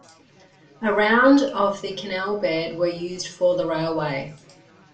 Around of the canal bed were used for the railway.